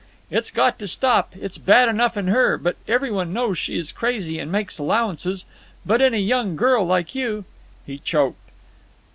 "It's got to stop. It's bad enough in her; but every one knows she is crazy, and makes allowances. But in a young girl like you." He choked.